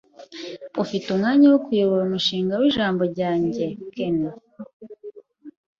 Ufite umwanya wo kuyobora umushinga w'ijambo ryanjye, Ken?